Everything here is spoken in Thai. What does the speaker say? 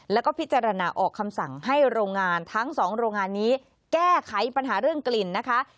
แล้วก็พิจารณาออกคำสั่งให้โรงงานทั้งสองโรงงานนี้แก้ไขปัญหาเรื่องกลิ่นนะคะ